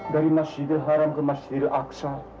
dari masjidil haram ke masjidil aqsa